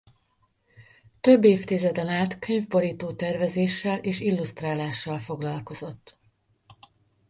Több évtizeden át könyvborító-tervezéssel és illusztrálással foglalkozott.